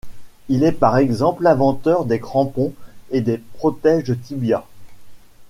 Il est par exemple l'inventeur des crampons et des protèges tibias.